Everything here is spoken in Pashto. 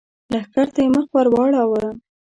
لښکر ته يې مخ ور واړاوه!